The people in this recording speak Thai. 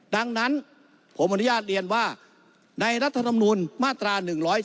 ดังนั้นผมอนุญาตเรียนว่าในรัฐธรรมนูลมาตรา๑๔